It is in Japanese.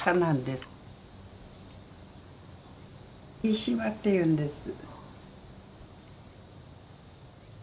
ヒシバっていうんです。